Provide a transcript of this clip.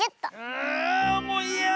あもういやだ！